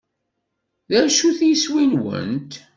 D acu-t yiswi-nwent?